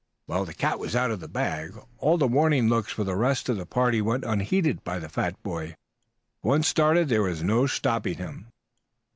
The cat was out of the bag. All the warning looks from the rest of the party went unheeded by the fat boy. Once started there was no stopping him.